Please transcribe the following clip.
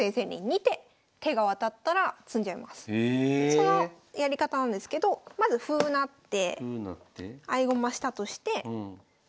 そのやり方なんですけどまず歩成って合駒したとしてこれで取って。